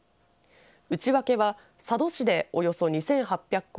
内訳は佐渡市でおよそ２８００戸